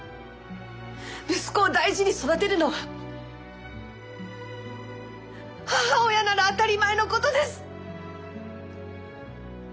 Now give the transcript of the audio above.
息子を大事に育てるのは母親なら当たり前のことです！